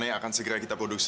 ya kamu maklum dong